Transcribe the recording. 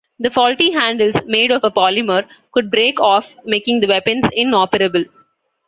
The faulty handles, made of a polymer, could break off making the weapons inoperable.